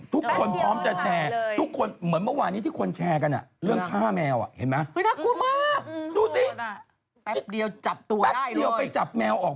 ทุกคนพร้อมจะแชร์ทุกคนเหมือนเมื่อวานนี้ที่คนแชร์กันอ่ะ